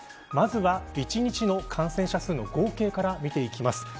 まずは、一日の感染者数の合計から見ていきます。